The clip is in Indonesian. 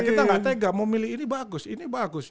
kita gak tega mau milih ini bagus ini bagus